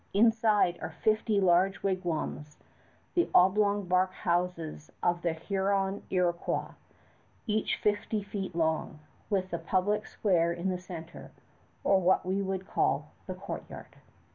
Inside are fifty large wigwams, the oblong bark houses of the Huron Iroquois, each fifty feet long, with the public square in the center, or what we would call the courtyard.